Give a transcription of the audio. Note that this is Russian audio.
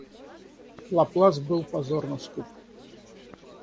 Лаплас был позорно скуп.